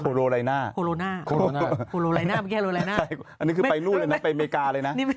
โคโรไลน่าโคโรไลน่าอันนี้คือไปรู้เลยนะไปเมริกาเลยนะ